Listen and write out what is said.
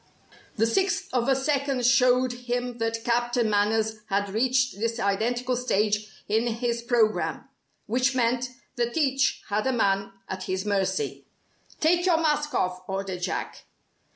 The sixth of a second showed him that Captain Manners had reached this identical stage in his programme: which meant that each had a man at his mercy. "Take your mask off," ordered Jack.